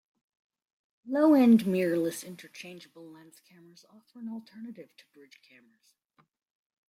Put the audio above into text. Low-end mirrorless interchangeable lens cameras offer an alternative to bridge cameras.